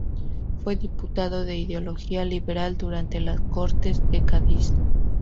Fue diputado, de ideología liberal, durante las Cortes de Cádiz.